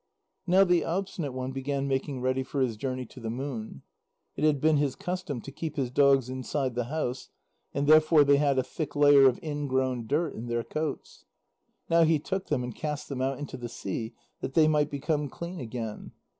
Now the Obstinate One began making ready for his journey to the moon. It had been his custom to keep his dogs inside the house, and therefore they had a thick layer of ingrown dirt in their coats. Now he took them and cast them out into the sea, that they might become clean again.